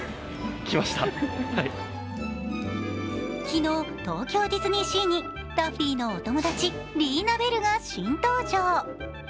昨日、東京ディズニーシーにダフィーのお友達、リーナ・ベルが新登場。